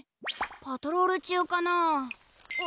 パトロール中かなあ。